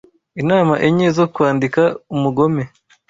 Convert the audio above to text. Inama enye zo Kwandika Umugome